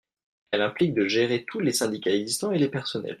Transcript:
Elle implique de gérer tous les syndicats existants et les personnels.